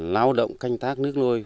lao động canh tác nước nuôi